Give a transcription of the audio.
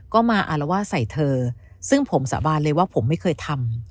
ก็มาอารวาสใส่เธอซึ่งผมสาบานเลยว่าผมไม่เคยทำ